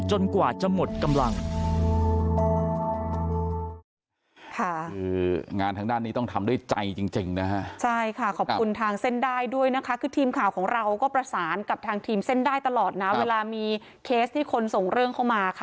กว่าจะหมดกำลัง